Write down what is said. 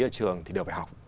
ở trường thì đều phải học